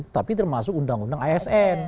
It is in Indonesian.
tapi termasuk undang undang asn